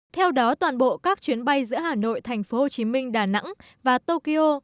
theo đó toàn bộ các chuyến bay giữa hà nội tp hcm đà nẵng và tokyo